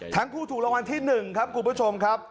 ทั้งคู่ถูกรางวัลที่หนึ่งครับคุณผู้ชมครับ